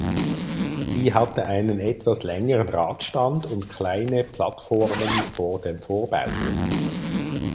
Sie hatte einen etwas längeren Radstand und kleine Plattformen vor den Vorbauten.